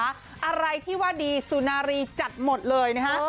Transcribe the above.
อะไรที่ว่าดีสุนารีจัดหมดเลยนะฮะ